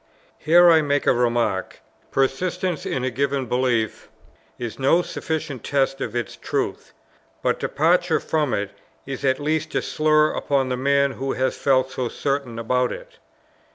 Here I make a remark: persistence in a given belief is no sufficient test of its truth: but departure from it is at least a slur upon the man who has felt so certain about it.